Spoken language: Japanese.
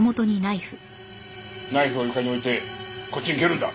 ナイフを床に置いてこっちに蹴るんだ。